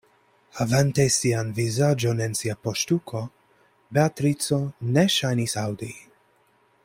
Havante sian vizaĝon en sia poŝtuko, Beatrico ne ŝajnis aŭdi.